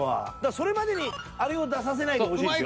それまでにあれを出させないでほしいです。